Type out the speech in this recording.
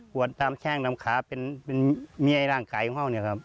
กวดตามแช่งลำขาเป็นเมียร่างกายของเรา